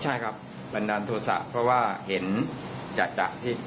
ใช่ครับปรรรนดาโทษศาสตร์เพราะว่าเห็นจาดที่